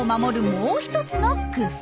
もう一つの工夫。